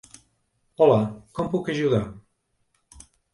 Hola, com puc ajudar?